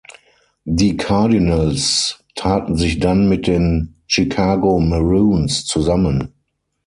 Die "Cardinals" taten sich dann mit den "Chicago Maroons" zusammen.